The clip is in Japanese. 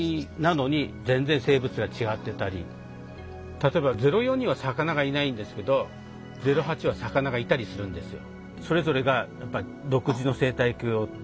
例えば０４には魚がいないんですけど０８は魚がいたりするんですよ。